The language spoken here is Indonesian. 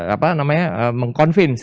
apa namanya meng convince